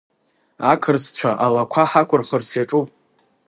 Ақырҭцәа алақәа ҳақәырхырц иаҿуп!